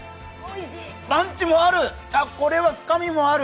パンチもある！